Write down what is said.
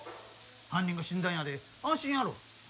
犯人が死んだんやで安心やろ。